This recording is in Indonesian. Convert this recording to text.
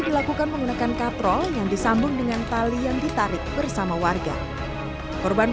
dilakukan menggunakan kaprol yang disambung dengan tali yang ditarik bersama warga korban